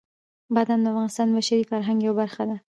بادام د افغانستان د بشري فرهنګ یوه برخه ده.